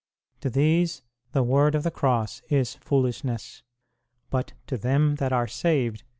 To these the word of the Cross is foolishness, but to them that are saved